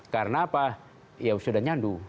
karena apa ya sudah nyandu